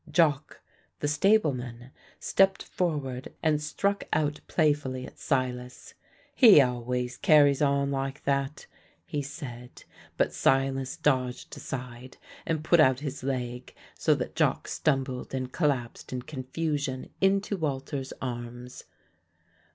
Jock, the stableman, stepped forward and struck out playfully at Silas. "He always carries on like that," he said; but Silas dodged aside and put out his leg so that Jock stumbled and collapsed in confusion into Walter's arms.